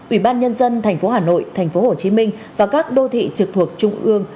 ủy ban nhân dân tp hà nội tp hồ chí minh và các đô thị trực thuộc trung ương